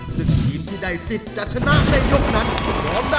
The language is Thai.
สลิดน้อยสามซ่า